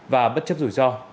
và bất chấp rủi ro